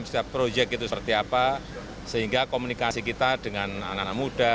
setiap proyek itu seperti apa sehingga komunikasi kita dengan anak anak muda